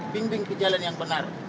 bimbing di jalan yang benar